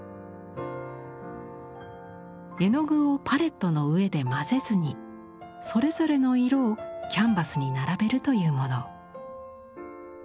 絵の具をパレットの上で混ぜずにそれぞれの色をキャンバスに並べるというもの。